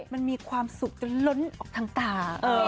มันมีความสุขจนล้นออกทางตา